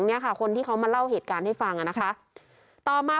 เนี่ยค่ะคนที่เขามาเล่าเหตุการณ์ให้ฟังอ่ะนะคะต่อมา